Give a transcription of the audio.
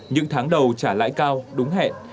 những tháng đầu trả lãi cao đúng hẹn